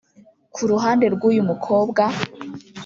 Ku ruhande rw’uyu mukobwa